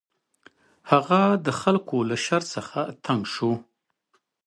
هغه د خلکو له شر څخه تنګ شو.